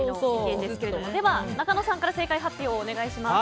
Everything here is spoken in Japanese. では、なかのさんから正解発表をお願いします。